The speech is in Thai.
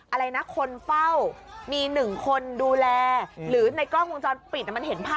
อะไรนะคนเฝ้ามี๑คนดูแล